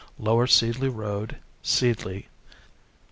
Lower Seedley Road, Seedley.